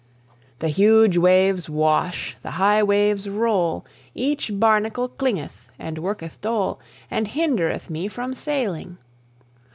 The huge waves wash, the high waves roll, Each barnacle clingeth and worketh dole And hindereth me from sailing!